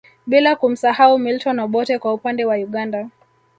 Bila kumsahau Milton Obote kwa upande wa Uganda